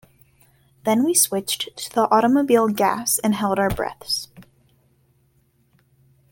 Then we switched to the automobile gas and held our breaths.